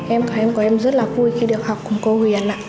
em của em của em rất là vui khi được học cùng cô huyền ạ